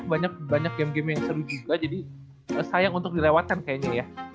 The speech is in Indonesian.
banyak banyak game game yang seru juga jadi sayang untuk dilewatkan kayaknya ya